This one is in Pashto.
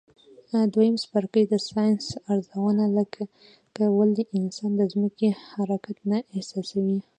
دویم څپرکی د ساینس رازونه لکه ولي انسان د ځمکي حرکت نه احساسوي.